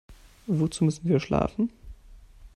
Wozu müssen wir schlafen?